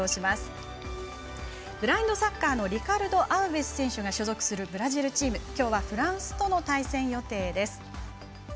ブラインドサッカーのリカルド・アウベス選手が所属するブラジルチームきょうはフランスとの対戦予定です。